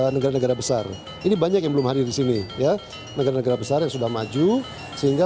negara negara besar ini banyak yang belum hadir di sini ya negara negara besar yang sudah maju sehingga